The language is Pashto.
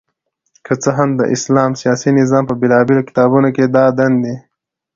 که څه هم د اسلام سياسي نظام په بيلابېلو کتابونو کي دا دندي